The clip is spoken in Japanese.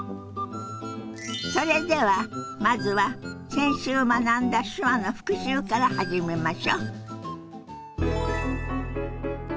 それではまずは先週学んだ手話の復習から始めましょ。